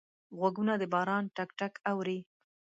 غوږونه د باران ټک ټک اوري